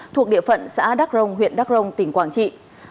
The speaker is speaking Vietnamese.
thuộc địa phận xã đắc rồng huyện đắc rồng tỉnh quảng trị